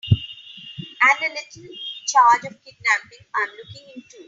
And a little charge of kidnapping I'm looking into.